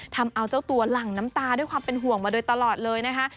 ทำเอาเจ้าตัวหลั่งน้ำตาด้วยความเป็นห่วงมาโดยตลอดเลยนะคะ